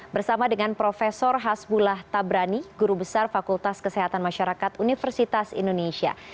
bersama dengan prof hasbullah tabrani guru besar fakultas kesehatan masyarakat universitas indonesia